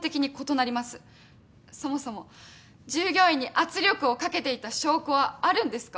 そもそも従業員に圧力をかけていた証拠はあるんですか？